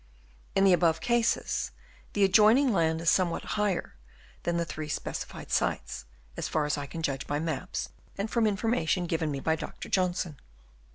In the above cases the adjoining land is somewhat higher than the three speci fied sites, as far as I can judge by maps and from information given me by Dr. Johnson.